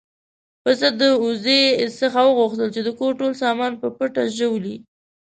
پسه د وزې څخه وغوښتل چې د کور ټول سامان په پټه ژوولی.